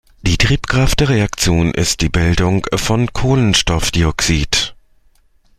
Die Triebkraft der Reaktion ist die Bildung von Kohlenstoffdioxid.